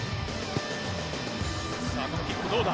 さあ、このキックどうだ？